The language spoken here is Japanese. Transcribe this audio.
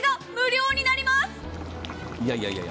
いやいやいや。